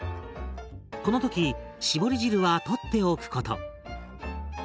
この時絞り汁はとっておくこと。